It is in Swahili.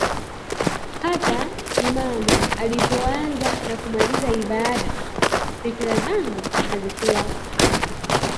Hata imamu alipoanza na kumaliza ibada, fikra zangu zilikuwa haziko hapo